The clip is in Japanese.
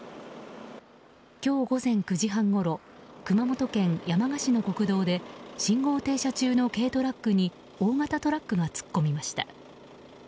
今日午前９時半ごろ熊本県山鹿市の国道で信号停車中の軽トラックに大型トラックが突っ込みました。